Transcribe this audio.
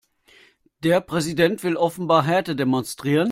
Der Präsident will offenbar Härte demonstrieren.